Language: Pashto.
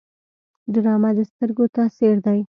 ډرامه د سترګو تاثیر دی